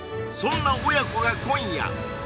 そんな親子が今夜！